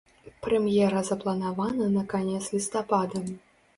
Прэм'ера запланавана на канец лістапада.